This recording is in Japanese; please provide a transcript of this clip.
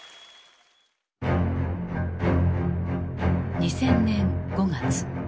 ２０００年５月。